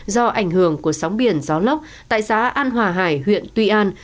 do ảnh hưởng của sóng biển gió lốc tại xã an hòa hải huyện tuy an